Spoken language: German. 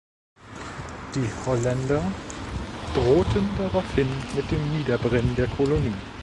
Die Holländer drohten daraufhin mit dem Niederbrennen der Kolonie.